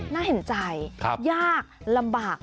น่าเห็นใจยากลำบาก